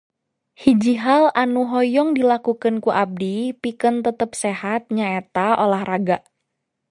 Hiji hal anu hoyong dilakukeun ku abdi pikeun tetep sehat nyaeta olahraga.